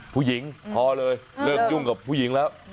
ผู้หญิงพอเลยเริ่มยุ่งกับผู้หญิงแล้ว